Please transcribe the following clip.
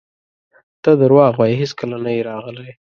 ته درواغ وایې هیڅکله نه یې راغلی!